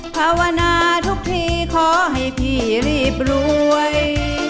ภาวนาทุกทีขอให้พี่รีบรวย